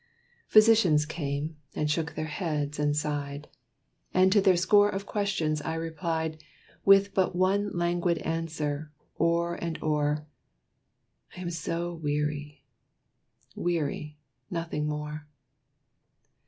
Physicians came and shook their heads and sighed; And to their score of questions I replied, With but one languid answer, o'er and o'er. "I am so weary weary nothing more."